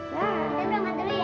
kita berangkat dulu ya